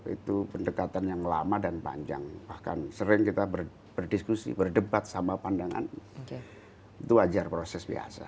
itu pendekatan yang lama dan panjang bahkan sering kita berdiskusi berdebat sama pandangan itu wajar proses biasa